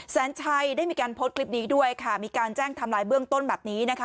แสนชัยได้มีการโพสต์คลิปนี้ด้วยค่ะมีการแจ้งทำลายเบื้องต้นแบบนี้นะคะ